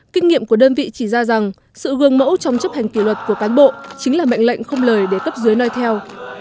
kinh nghiệm của đơn vị chỉ ra rằng sự gương mẫu trong chấp hành kỷ luật của cán bộ chính là mệnh lệnh không lời để cấp dưới nói theo